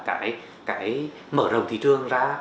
cái mở rồng thị trường ra